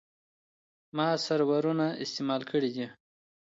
ما سرورونه استعمال کړي دي.